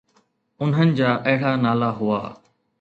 انهن جا اهڙا نالا هئا.